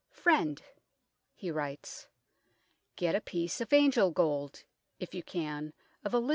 " Freind (he writes) get a piece of angellgold, if you can of Eliz.